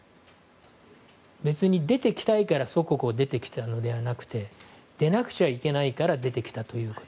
別に出てきたいから祖国を出てきたのではなくて出なくちゃいけないから出てきたということ。